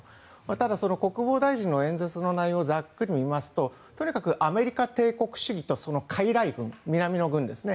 ただ、国防大臣の演説の内容をざっくり見ますととにかくアメリカ帝国主義とそのかいらい軍、南の軍ですね。